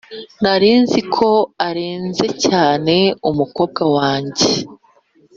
nari nzi ko arenze cyane umukobwa wanjye.